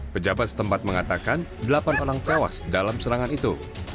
pejabat setempat mengatakan delapan orang tewas dalam serangan itu